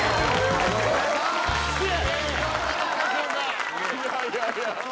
いやいやいや。